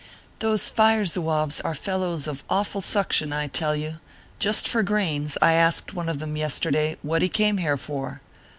Those Fire Zouaves are fellows of awful suction, I tell you. Just for greens, I asked one of them, yes terday, what he came here for?